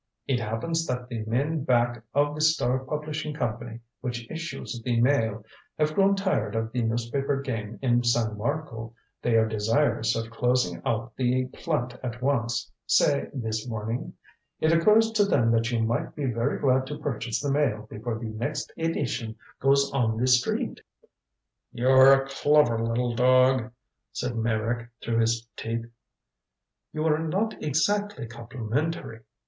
It happens that the men back of the Star Publishing Company, which issues the Mail, have grown tired of the newspaper game in San Marco. They are desirous of closing out the plant at once say this morning. It occurs to them that you might be very glad to purchase the Mail before the next edition goes on the street." "You're a clever little dog," said Meyrick, through his teeth. "You are not exactly complimentary.